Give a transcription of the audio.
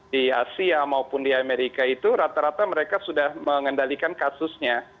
di asia maupun di amerika itu rata rata mereka sudah mengendalikan kasusnya